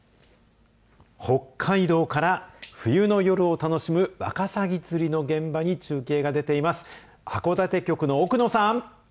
北海道から冬の夜を楽しむ、ワカサギ釣りの現場に中継が出ています。